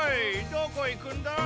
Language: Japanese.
どこ行くンだ？